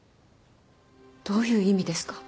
どういう意味ですか？